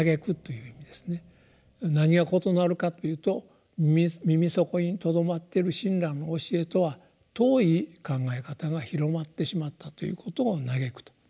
何が異なるかっていうと耳底に留まってる親鸞の教えとは遠い考え方が広まってしまったということを歎くと。